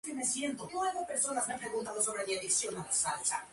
Además cada número contiene suplementos de las diócesis locales.